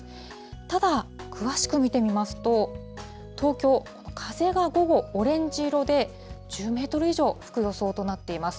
ただ、詳しく見てみますと、東京、風が午後、オレンジ色で、１０メートル以上吹く予想となっています。